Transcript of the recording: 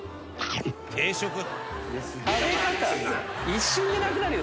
一瞬でなくなるよ。